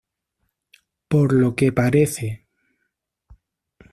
Por lo que parece".